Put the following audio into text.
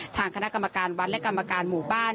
ทางคณะกรรมการวัดและกรรมการหมู่บ้าน